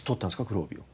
黒帯を。